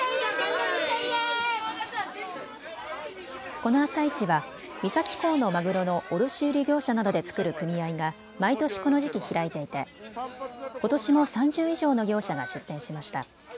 この朝市は三崎港のマグロの卸売業者などで作る組合が毎年この時期、開いていてことしも３０以上の業者が出店しました。